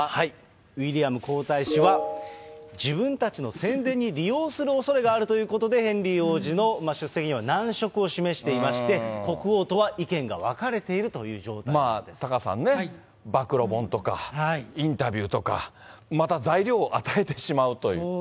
ウィリアム皇太子は、自分たちの宣伝に利用するおそれがあるということで、ヘンリー王子の出席には難色を示していまして、国王とは意見が分タカさんね、暴露本とか、インタビューとか、また材料を与えてしまうという。